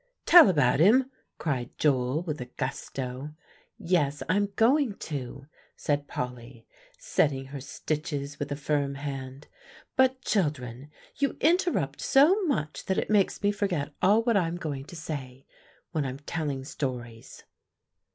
"Tell about him!" cried Joel with a gusto. "Yes, I'm going to," said Polly, setting her stitches with a firm hand. "But, children, you interrupt so much that it makes me forget all what I'm going to say, when I'm telling stories."